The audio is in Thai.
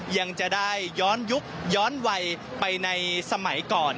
ยังจะได้ย้อนยุคย้อนวัยไปในสมัยก่อน